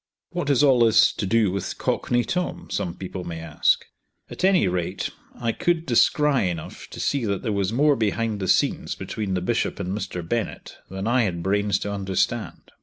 "What has all this to do with Cockney Tom?" some people may ask. At any rate I could descry enough to see that there was more behind the scenes between the Bishop and Mr. Bennett than I had brains to understand.